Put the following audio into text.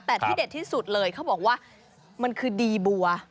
แต่ที่เด็ดที่สุดเลยเขาบอกว่ามันคือดีบัว